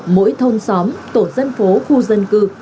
mỗi thôn xóm tổ dân phố khu dân cư